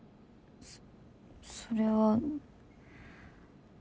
そそれは。